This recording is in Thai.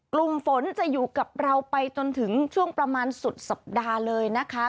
กลุ่มฝนจะอยู่กับเราไปจนถึงช่วงประมาณสุดสัปดาห์เลยนะคะ